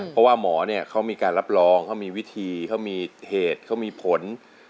เพราะว่าหมอเนี่ยเขามีการรับรองเขามีวิธีเขามีเหตุเขามีผล